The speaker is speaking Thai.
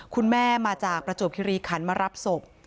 คุณแม่มาจากประจวบคิริขันมารับศพ